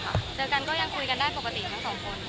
เจอกันก็ยังคุยกันได้ปกติทั้งสองคน